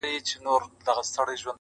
اوس د ماشوخېل زاړه خوبونه ریشتیا کېږي!